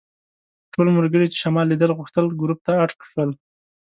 ټول ملګري چې شمال لیدل غوښتل ګروپ ته اډ شول.